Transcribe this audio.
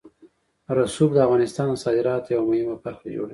رسوب د افغانستان د صادراتو یوه مهمه برخه جوړوي.